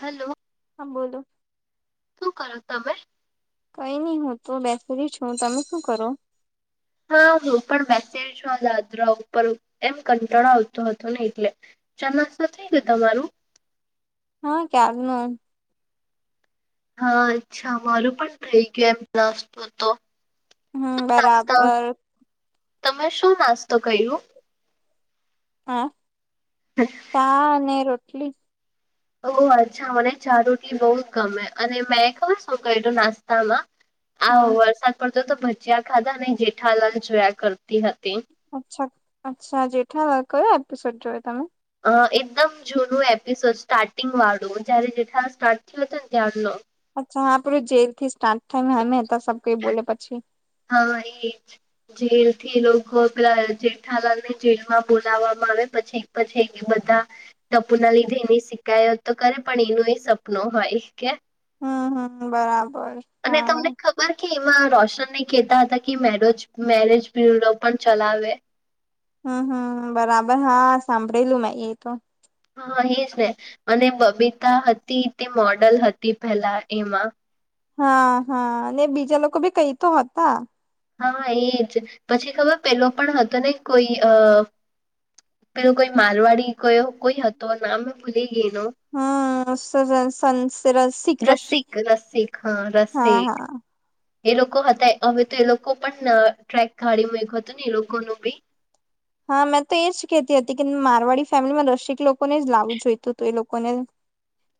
Hello હા બોલો શું કરો તમે? કઈ નઈ હું તોું બેસી છું તમે શું કરો હા, હું પણ બેસી છું દાદરા ઉપર એમ કંટાળો આવતો હતો ને એટલે, ચાનાસ નથી ને તમારું હા, કયાર નું એમ હા, અચ્છા અમારું પણ થઇ ગયું એમ નાસતો તો હમ્મ નાસ્તા બરાબર તમે શું નાસ્તો કયરુ હ [unintelligible] ચા ને રોટલી ઓ અચ્છા મને ચા રોટલી બહુ જ ગમે અને મેં ખબર શું કું નાસ્તામાં આ હમ વરસાદ પડતો તો ભજીયા ખાધા અને જેઠાલાલ જોયા કરતી હતી, અચ્છા અચ્છા જેઠાલાલ કયો એપિસોડ જોયો તમે અ એકદમ જૂનું એપિસોડ સ્ટાર્ટિંગ વાળું જયારે જેઠા સ્ટાર્ટ થયયો હત ને ત્યારનો અચ્છા હા આપેડું જેલ થી સ્ટાર્ટ થાય હમે સબ કોઈ બોલે પછી હા એ જેલ થી લોકો પેલા જેઠા લાગ ને જેલમાં બોલાવામાં આવે પછી [unintelligible] બધા ટપુ ના લીધે એની શિકાયત તો કરે પણ એનું એ સપનું હોય કે હમ્મ હમ્મ બરાબર હા મારે કે એમાં રોશન ને કહેતા હતા કે મેરેજ મેરેજ બ્યુરો પણ ચલાવે, હમ્મ હમ્મ બરાબર હા સાંભળેલું મે એ તો હા, એજ ને અને બબીતા હતી તે મોડલ હતી પેલા એમાં હા હા અને બીજા લોકો ભી કઈ તો હતા હા, એજ પછી ખબર પેલો પણ હતો ને કોઈ અ પેલું કોઈ માલવાડી ગયો કોઈ હતો નામ અ ભૂલી ગઈ એનું હમ્મ [unintelligible] રસિક રસિક રસિક હા રસિક હા હા એ લોકો હતા હવે તો એ લોકો પણ ટ્રેક ગાડીમાં એક હતું ને એ લોકો ન બી હા મેં તો એજ કહેતી હતી કે મારવાડી ફેમિલીમાં રસિક લોકોને જ લાવું જોયતું હતું એ લોકોને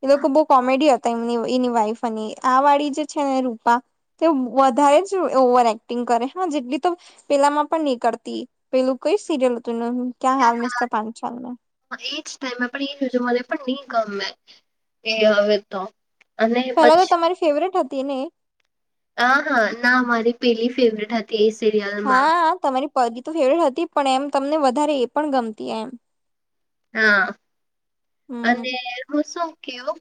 એ લોકો બહુ કોમેડી હતા એમની એની વાઈફ અને આ વાળી જે છે ને રૂપા તે વધારે જ ઓવર એક્ટિંગ કરે હા જેટલી તો પેલામાં પણ નહી કરતી પેલું કઈ સીરયલ હતું ક્યા હાલ મિસ્ટર પાંચાલ હ એજ ટાઈમમાં પણ એજ મને પણ ની ગમે એ આવે તો અને પેલા તો પછી તમારી ફેવરેટ હતી ને હ હા ના મારી પેલી ફેવરેટ હતી. તે સીરિયલ હા તમારી પદી તો ફેવરેટ હતી પણ એમ તમને વધારે એ પણ ગમતી એમ હા હમ અને હું શું કેવું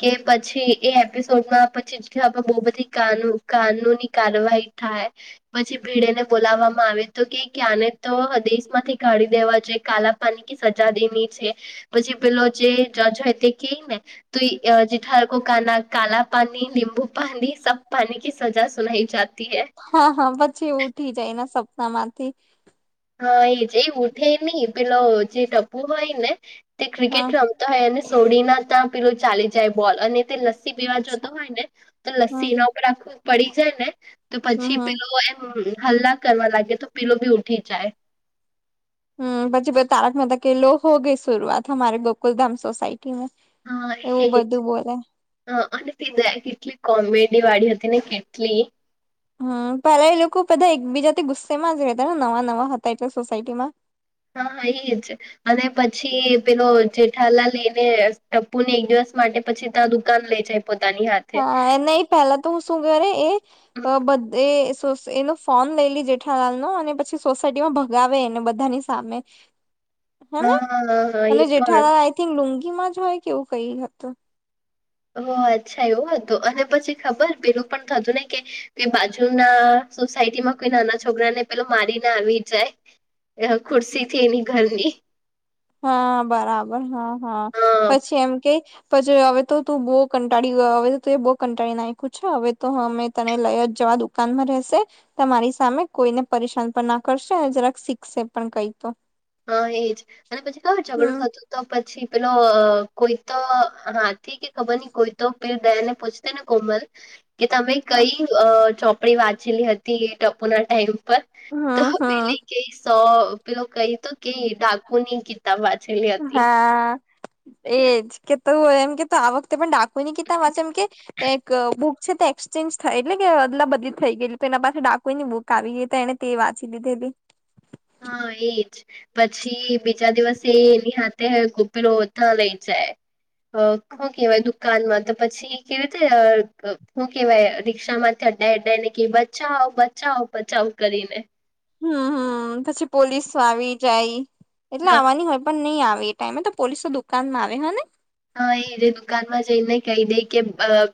કે પછી એ એપિસોડમાં પછી બો બધી કાન કાનૂની કારવાહી થાય પછી ભીડેને બોલાવવામાં આવે તો કે આને તો દેશ માંથી કાઢી દેવા જોઈએ કાલા પાણી કે સજા દેની છે પછી પલો જે જજ હો તે કે અ જેઠા કો ક કાલા પાની નીબૂ પણીની સબ પાણી કી સજા સુનાઈ જાતી હૈ હા હા પછી એ ઉઠી જાય એના સપના માંથી હા એ જે એ ઉઠે ની પેલો જે ટપુ હોય ને તે ક્રિકેટ હા રમ તો હોય અને સોડી ના તા પેલું ચાલી જાય બોલ અને તે લ સ્સી પીવા જતો અચ્છા હોય ને તો હમ લસ્સી એના ઉપર આખી પડી જાય ને તો હમ પછી હમ પીલો એ હલ્લા કરવા લાગે તો પીલો ભી ઊઠી જાય હમ પછી તારક મતાકે લો હોગઈ શરૂઆત અમારી ગોકુલધામ સોસાયટી હા એવું એજ બધું બોલે અને [unintelligible] કેટલી કોમેડી વાળી હતી ને કેટલી હમ પેલા એ લોકો બધા એકબીજાથી ગુસ્સેમાં જ રહેતા ને નવા નવા હતા એટલે સોસાયટી માં હાા એ જ અને પછી પેલો જેઠાલાલ એને ટપ્પુ ને એક દિવસ માટે પછી ત દુકાન લઈ જાય. પોતાની હા હા એના પેલા તો હું શું કરે એ બધ એનું ફોર્મ લઈ લે જેઠાલાલ નો અને પછી સોસાયટીમાં ભગાવે એને બધાની સામે હે હા ને હા હા, એ અને પણ જેઠાલાલ આઈ થિંક લુંગી માં જ હોય કે એવું કઈ હતું ઓ અચ્છા એવું હતું અને પછી ખબર પેલું પણ થતું ને કે કે બાજુ ના સોસાયટી માં કોઈ નાના છોકરા ને પેલો મારીને આવી જાય ને ખુરશી થી એની ઘરની હા બરાબર હા હા પછી એમ કેય પછી હવે તો તું બો કંટાળી ગયો હવે તો એ બો કંટાળી નાખ્યું છે હવે તો અમે તને લઈ જવા દે દુકાનમાં રહેશે તમારી સામે કોઈને પરેશાન પણ ના કરશે અને જરાક શીખશે પણ કઈ તો હા એજ અને પછી ખબર ઝઘડું હમ થતું તો પછી પેલો કોઈ તો હા કે ખબર નહી કોઈ તો પીર દયાને પૂછતે ને કોમલ કે તમે કઈ અ ચોપડી વાંચેલી હતી એ ટપુ ના ટાઈમ પર તો હમ પેલી હમ કેય તો પેલો કઈ તો કે ડાકુ ની કિતાબ વાંચેલી હતી. હા એજ કે તું હોય એમ કે આ વખતે પણ ડાકુું ની કિતાબ વાંચેલી એમ કે એક બુક છે તે એક્સચેન્જ થાય એટલે કે અદલા બધલી થઈ ગઈ એટલે તો એના પાસે ડાકુ ની બુક આવી ગેય તો એને તે વાંચી લીધેલી. હા એજ પછી બીજા દિવસે એની હાથે પેલો ન લઈ જાય. અ ખું કવાય દુકાનમાં તો પછી કેવી રીતે ખો કહેવાય રિક્ષામાં ડા એડાને ક બચાવ બચાવ બચાવ કરીને હમ હમ પછી પોલીસ આવી જાય એટલે હા આવવાની હોય પણ ની આવે એ ટાઈમે તો પોલીસ તો દુકાન માં આવે હે ને હા એ દુકાનમાં જઈને કહી દે કે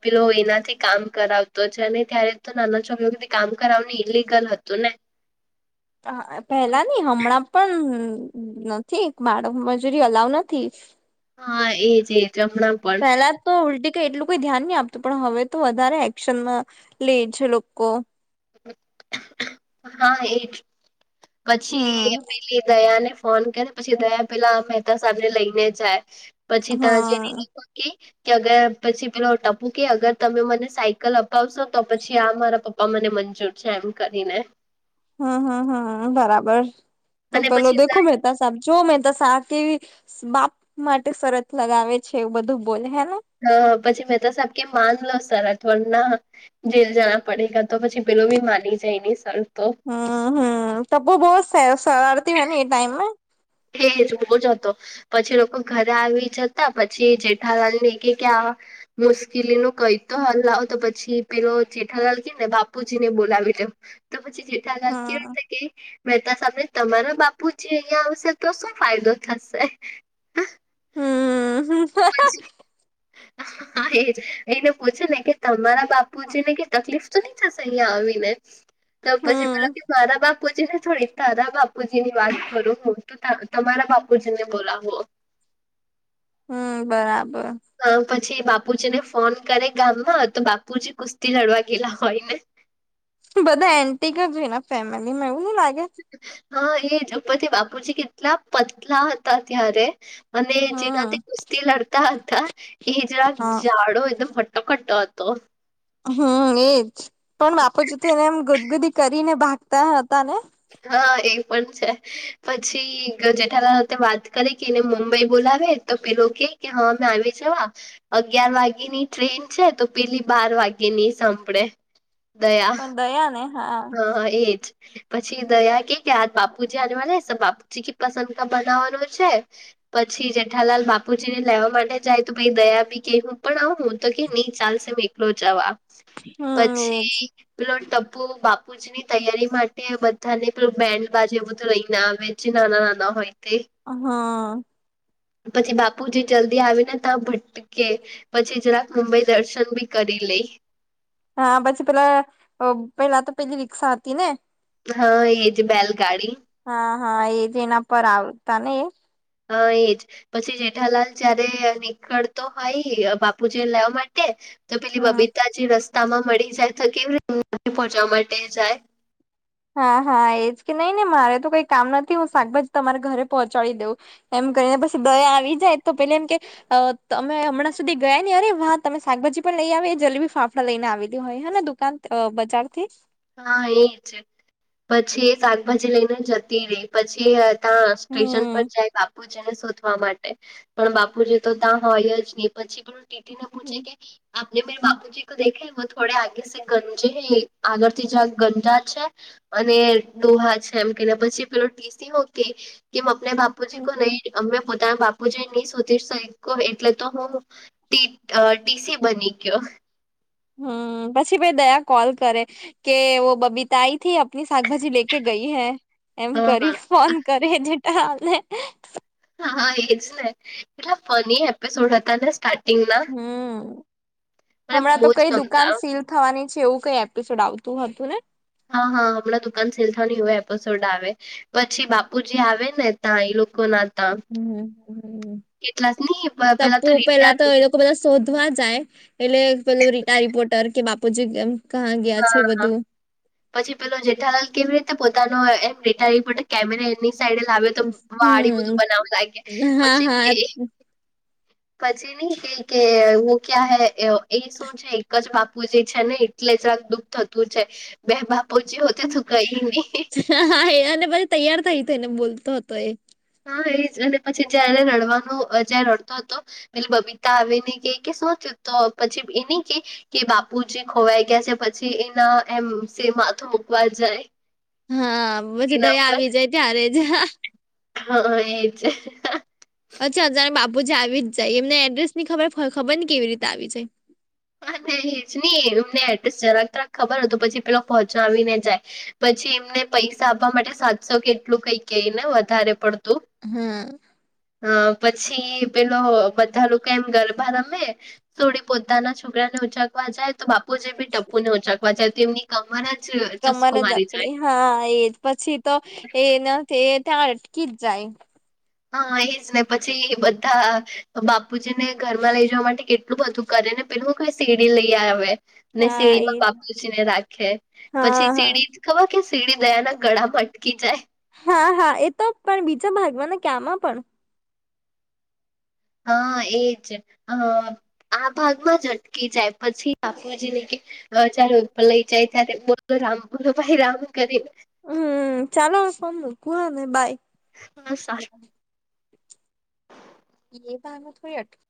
પેલો એનાથી કામ કરાવ તો છે ને ત્યારે તો નાના છોભને કામ કરાવને ઈલિગલ હતું ને પેલા ની હમણાં પણ નથી બાળક મજૂરી અલાઉ નથી. હા એજ એજ હમણાં પણ. પહેલા તો ઉલટી કઈ એટલું કોઈ ધ્યાન નહી આપતું પણ હવે તો વધારે એક્શન લે છે લોકો હા એ હમ પછી પેલી દયા ને ફોન કરને પછી તયા પેલા મહેતા સા લઈને જાય પછી ત્યાં હા જે કે અગર પછી પેલા ટપો કે અગર તમે મને સાયકલ આવશો તો પછી આ મારા પપ્પા મને મંજૂર છે એમ કરીને હમ હમ હમ બરાબર તો અને પેલો પછી દેખો મહેતા સાબ જો મહેતા શ કેવી બાપ માટે શરત લગાવે છે એવું બધું બોલે હેને હ પછી મેં તો સાહેબ કે માન લો સરાર થોડ ના જેલ જણા પડે ગ તો પછી પેલો બી માની જાય નહી સર તો હમ હમ ત બહ સરળતી હોય ને એ ટાઈમ એેજ બહ [inaudible] જ હતો પછી લોકો ઘરે આવી જતા પછી જેઠાલાલ ને કે ક્યા મુશ્કેલી ન કઈ તો હલ આવાવો તો પછી પેલો જેઠા લલકી ને બાપુજી ને બોલાવી દે તો પછી જેઠા લ કેવું હા છે કે મહેતા સાને તમારા બાપુ જે અહિયાં આવશે તો શું ફાયદો થશે હમ [inaudible] હા એજ એને પૂછે ને કે તમારા બાપુ છે ને કે તકલીફ તો નહી થશે અહિયાં આવીને તોપછી મતલબ હમ કે માતા બાપુ છે ને થોડી તારદા બાપ જી ની વાત કરો હું તો તમારા બાપુજી ને બોલાવો હમ બરાબર પછી બાપુજી ને ફોન કરે ગામમાં તો બાપુજી કુસ્તી લડવા ગેલા હોય ને બધા એન્ટીગા જોઈ ફેમિલીમાં એવું ન લાગે હા એ દુપતિ બાપુજી કેટલા પતલા હતા ત્યારે અને જેના હમ તે કુસ્તી લડતા હતા એ જરા હા ઝાડો એકદમ હટ્ટ ખટતો હતો તોફ હમ એજ પણ બાપુ જ એને એમ ગુદગુદી કરીને ભાગતા હતા ને હા એ પણ છે પછી જેઠાલાલ હાથે વાત કરી કે એને મુંબઈ બોલાવે તો પેલો કે કે હા મેમે આવી છે જવા અગિયાર વાગે ની ટ્રેન છે તો પેલી બાર વાગે ની સાંભળે પણ દયા ને હા હ એજ પછી દયા કે કે આ બાપુજી આનેવા બાપુજી ક પસંદ બનાવવાનું છે પછી જેઠાલાલ બાપુજી ને લેવા માટે જાય તો ભ દયા બી કે હું પણ આવ હું તો કે નહી ચાલશે મે એકલો જવા હમ એજ પછી પેલો ટપુ બાપુજી [inaudible] ની તૈયારી માટે બધાને બેન્ડ બાજુ એ બધું રહીને આવે છે નાના નાના હોય તે હા પછી બાપુ જે જલ્દી આવે ને ત્યાં ભટ કે પછી જરાક મુંબઈ દર્શન બી કરી લઈ હા પછી પેલા અ પેલા તો પેલી રિક્ષા હતી ને. હા ઇજ બેલગાડી. હા હા એજ એના પર આવતા ને એ. હ એજ. પછી જેઠાલાલ જયારે નીકળતો હોય બાપુજીને લેવા માટે તો પેલી હમ બબીતાજી રસ્તા માં મળી જાય તો કેવી રીતે પહોંચવા માટે જાય. હા હા એજ કે નઈ નઈ ને મારે તો કઈ કામ નથી હું શાકભાજી તમારે ઘરે પહોંચાડી દઉં એમ કરીને પછી દયા આવી જાય તો પેલે એમ કે અ તમે હમણાં સુધી ગયા ને અરે વા તમે શાકભાજી પણ લઈ આવી જલેબી ફાફડા લઈને આવેલી હોય હને દુકાન અ બજારથી હા એજ પછી એ શાકભાજી લઈને જતી રહી પછી. ત સ્ટેશન પર હમ જાય બાપ. બાપુજીને શોધવા માટે પણ બાપુજી તો તા હોય જ નહી પછી. પેલું ટીટી ને પૂછે કે હમ ન‌ઇ. આપને મેરે બાપુજી કો દેખે વો થોડે આગે સે ગંજે હે આગળ. તે જાલ ગંંદા છે અને ડોહા છે એમ કે પછી પેલો ટીસી હો કે. કેમ અને બાપુજી કો નહી અમે પોતાના બાપુજી નહી શોધી શૈકો એટલે તો હું. ટી અ ટીસી બની ગયો. હમ્મ પછી મેં દયા કોલ કરે. કે વો બબીતા આઈ થી આપની શાકભાજી લે કે ગઈ હૈ. એમ હા કરી હા ફોન કરે જેઠાલાલ ને. હા હા એજ ને એટલા ફની એપિસોડ હતા ને સ્ટાર્ટ. હમ્મ મને હમણાં બહુ તો જ કઈ દુકાન ગમતા સીલ. થવાની છે એવું કઈ એપિસોડ આવતું હતું ને. હા હા હમણાં તો દુકાન સેલ થવાની એ એપિસોડ આવે પછી બાપુજી આવે ને. તા એ લોકો ના. ત્યાં હમ્મ હમ્મ કેટલા નહી પ- પેલા તપ્પુ તો પેલા તો એ. રિટાયર બધા શોધવા જાય એટલે પેલું રિટા રિપોર્ટર કે બાપુજી કેમ કહા ગયા છે બધું. પછી પેલો જેઠાલાલ કેવી રીતે પોતાનો એમ રીટા રિપોર્ટર કેમેરા એની સાઈડે લાવ્યો તો વાળ હમ બધું બનાવવા લાગે હા પછી હા એ. પછી નહી કઈ કે હુ ક્યાં હૈ અ એ સુન. એક જ બાપુજી છે ને એટલે જ દુઃખ થતું છે. બે બાપુજી હોતે તો કઈ નહી. હા હ એ અને પછી તૈયાર થઈ થઈ ને બોલતો હતો એ. હા એજ અને પછી જ્યાંરે રડવાનો જ્યાં રડતો હતો. પેલી બબીતા આવે ને કે કે શું થયું તો પછી એનિ કે. કે બાપુજી ખોવાઈ ગયા છે પછી એના એમ સે માથું મુકવા જાય. હા પછી એના દયા પર આવી જાય ત્યારે જ. હા એજ. પછી અજા બાપુજી આવી જ જાય એમને એડ્રેસ ની ખબર ખબર ને કેવી રીતે આવી જાય. અને એજ નહી એમને એડ્રેસ જરાક તરાક ખબર હો તો પછી પેલો પહોંચાવી ને જાય. પછી એમને પૈસા આપવા માટે સાતસો કેટલું કઈ કયને વધારે પડતું. હમ્મ. અ પછી પેલો બધા લોકો એમ ગરબા રમે. સોડી પોતાના છોકરાને ઉચાકવા જાય તો બાપુ જે ભી ટપુ ને ઉચાકવા જાય તો એમની મને જ. ચસ્કો કમર જ મારી જાય અકડી. હા એજ પછી તો એના ત્યાં અટકી જ જાય. હા એજ ને પછી બધા બાપુજીને ઘરમાં લઈ જવા માટે કેટ એટલું બધું કરે ને પેલું સીડી લઈ આવે અને હા સીડી એ માં બાપુજી ને રાખે પછી હા હા સીડી ખબર કે સીડી દયા ના ગળામાં અટકી જાય હા હા એ તો પણ બીજામાં ભાગમાંને ક્યાંમાં પણ હા એજ અ આ ભાગમાં જ અટકી જાય પછી બાપુજીને કે અ ચારો ઉપર લઈ જાય ત્યારે બોલો રામ બોલો ભાઈ રામ કરીને. હમ ચાલો હવે ફોન મુકું હવે બાય. હા [inaudible] એ ભગ થયટ [inaudible]